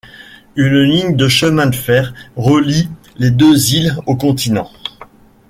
Une ligne de chemin de fer relie les deux îles au continent.